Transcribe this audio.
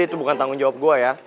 itu bukan tanggung jawab gue ya